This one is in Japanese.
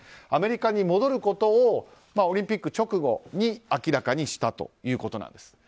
アメリカに戻ることをオリンピック直後に明らかにしたということです。